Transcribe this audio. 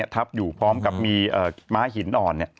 ทับอยู่พร้อมกับมีม้าหินอ่อน